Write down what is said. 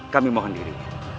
kami mohon diri